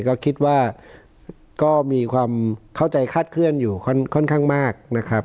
ก็คิดว่าก็มีความเข้าใจคาดเคลื่อนอยู่ค่อนข้างมากนะครับ